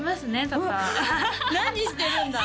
多々何してるんだ？